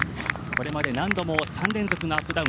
これまで何度も３連続のアップ